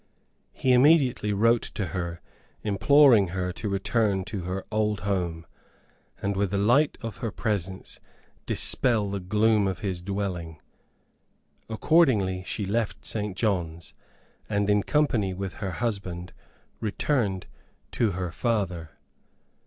He immediately wrote to her imploring her to return to her old home, and with the light of her presence dispel the gloom of his dwelling. Accordingly she left St. John's, and in company with her husband returned to her father.